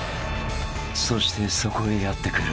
［そしてそこへやって来る］